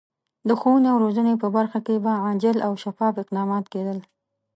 د ښوونې او روزنې په برخه کې به عاجل او شفاف اقدامات کېدل.